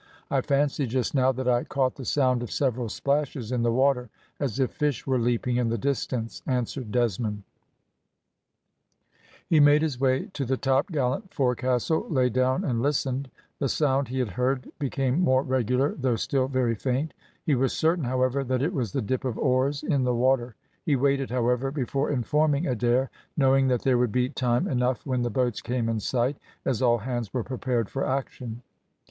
I fancied just now that I caught the sound of several splashes in the water, as if fish were leaping in the distance," answered Desmond. He made his way to the topgallant forecastle, lay down and listened. The sound he had heard became more regular, though still very faint; he was certain, however, that it was the dip of oars in the water. He waited, however, before informing Adair, knowing that there would be time enough when the boats came in sight, as all hands were prepared for action.